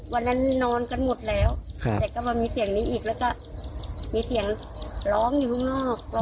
วันนั้นนอนกันหมดแล้วแต่ก็มามีเสียงนี้อีกแล้วก็มีเสียงร้องอยู่ข้างนอก